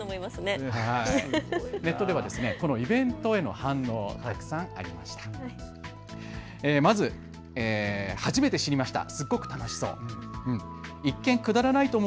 ネットではイベントへのたくさん反応、ありました。